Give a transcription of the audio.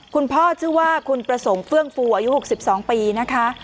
ชื่อว่าคุณประสงค์เฟื่องฟูอายุ๖๒ปีนะคะ